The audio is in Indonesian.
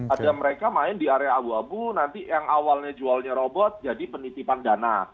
ada mereka main di area abu abu nanti yang awalnya jualnya robot jadi penitipan dana